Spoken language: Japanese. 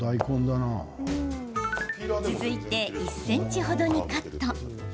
続いて１ｃｍ程にカット。